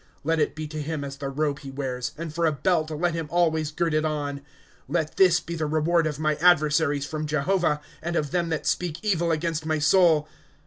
^^ Let it be to him as tlie robe he wears, And for a belt let him always gird it on, '" Let this be the reward of my adversaries from Jehovah, And of them that speak evil against ray soul.